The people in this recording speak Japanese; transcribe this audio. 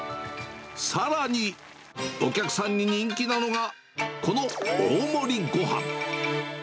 さらに、お客さんに人気なのが、この大盛りご飯。